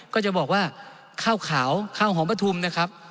ก็จะบอกว่าข้าวขาวข้าวหอมปฐุมนะครับ